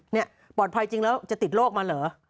นี่ปลอดภัยจริงแล้วจะติดโรคมาเหรอ